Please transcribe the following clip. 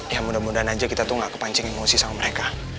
ya mudah mudahan aja kita tuh gak kepancing emosi sama mereka